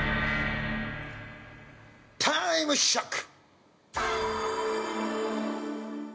タイムショック！